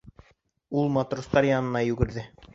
Ул матростар янына йүгерҙе.